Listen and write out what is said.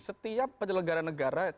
setiap penyelenggara negara